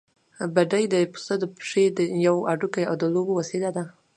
بېډۍ د پسه د پښې يو هډوکی او د لوبو وسيله ده.